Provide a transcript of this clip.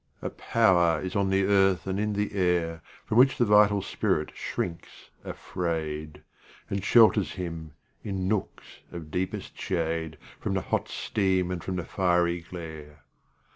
A power is on the earth and in the air From which the vital spirit shrinks afraid, And shelters him, in nooks of deepest shade, From the hot steam and from the fiery glare.